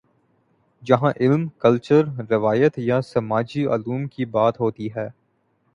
جہاں علم، کلچر، روایت یا سماجی علوم کی بات ہوتی ہے۔